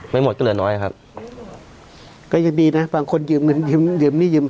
ไม่หมดก็เหลือน้อยครับก็ยังดีนะบางคนยืมเงินยืมหนี้ยืม